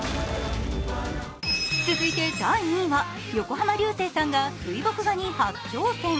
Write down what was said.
続いて第２位は、横浜流星さんが水墨画に初挑戦。